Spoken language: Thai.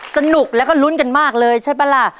สนุกแล้วก็ลุ้นกันมากเลยใช่ปะล่ะ